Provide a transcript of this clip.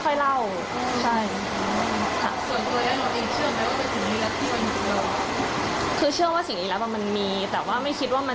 ค่อยเล่าคือเชื่อว่าสิ่งอีกแล้วมันมีแต่ว่าไม่คิดว่ามัน